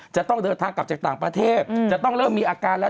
จะต้องเดินทางกลับจากต่างประเทศจะต้องเริ่มมีอาการแล้ว